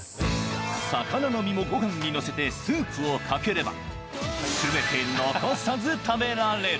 魚の身もごはんに載せてスープをかければ、すべて残さず食べられる。